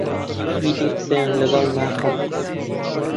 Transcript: ئیدی قسەیان لەگەڵ ناکەم.